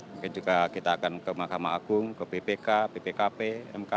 mungkin juga kita akan ke mahkamah agung ke bpk bpkp mk